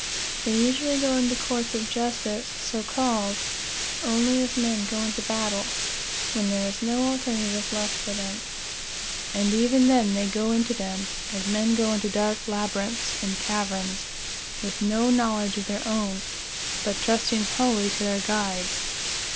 They usually go into courts of justice, so called, only as men go into battle when there is no alternative left for them. And even then they go into them as men go into dark labyrinths and caverns with no knowledge of their own, but trusting wholly to their guides.